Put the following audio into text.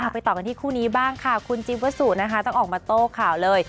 ไปต่อกันที่คู่นี้บ้างค่ะคุณจิ๊บวัสสุนะคะต้องออกมาโต้ข่าวเลย